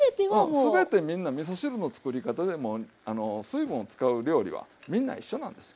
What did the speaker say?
全てみんなみそ汁の作り方で水分を使う料理はみんな一緒なんですよ。